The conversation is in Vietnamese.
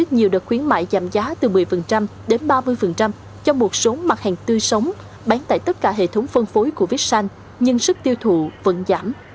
nhiều đợt khuyến mại giảm giá từ một mươi đến ba mươi cho một số mặt hàng tươi sống bán tại tất cả hệ thống phân phối của vixon nhưng sức tiêu thụ vẫn giảm